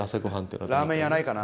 ラーメン屋ないかな。